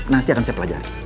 nanti akan saya pelajari